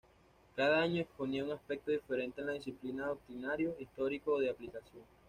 Cada año exponía un aspecto diferente de la disciplina: doctrinario, histórico o de aplicación.